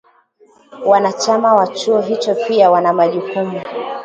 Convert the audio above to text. Wanachama wa Chuo hicho pia wana majukumu